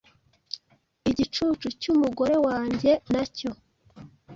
Igicucu cyumugore wanjye nacyo,